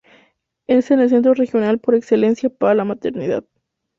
Es el centro regional por excelencia para la maternidad.